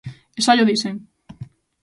E xa llo dixen.